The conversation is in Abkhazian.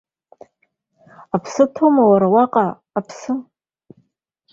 Аԥсы ҭоума, уара, уаҟа аԥсы?